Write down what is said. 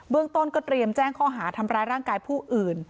เรื่องต้นก็เตรียมแจ้งข้อหาทำร้ายร่างกายผู้อื่น